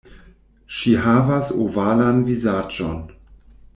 Ŝi havas ovalan vizaĝon.